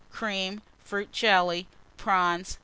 Cream. Fruit Jelly. Prawns.